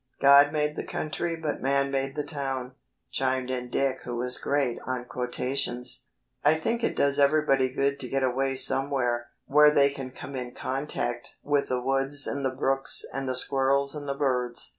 "God made the country but man made the town," chimed in Dick who was great on quotations. "I think it does everybody good to get away somewhere where they can come in contact with the woods and the brooks and the squirrels and the birds.